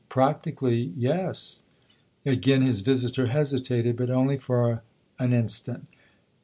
" Practically yes." Again his visitor hesitated, but only for an instant.